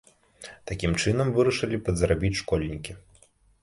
Такім чынам вырашылі падзарабіць школьнікі.